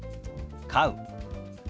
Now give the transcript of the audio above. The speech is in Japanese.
「飼う」。